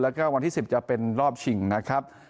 แล้วก็วันที่๑๐จะเป็นรอบชิงนะครับ